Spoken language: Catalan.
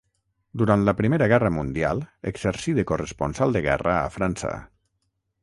Durant la Primera Guerra Mundial exercí de corresponsal de guerra a França.